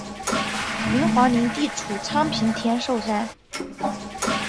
明皇陵地处昌平天寿山。